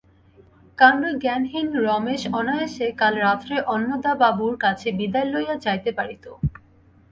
কাণ্ডজ্ঞানহীন রমেশ অনায়াসে কাল রাত্রে অন্নদাবাবুর কাছে বিদায় লইয়া যাইতে পারিত।